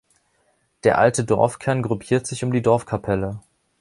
Der alte Dorfkern gruppiert sich um die Dorfkapelle.